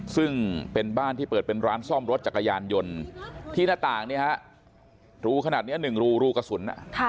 ซึ่งเป็นบ้านที่เปิดเป็นร้านซ่อมรถจักรยานยนต์ที่หน้าต่างเนี่ยฮะรูขนาดนี้๑รูรูกระสุน